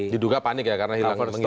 diduga panik ya karena hilangkan foto ini